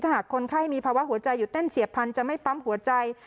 หากคนไข้มีภาวะหัวใจหยุดเต้นเฉียบพันธุ์จะไม่ปั๊มหัวใจ